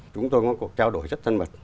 chúng tôi có cuộc trao đổi rất thân mật